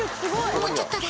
もうちょっとだ。